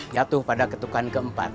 yatuh pada ketukan keempat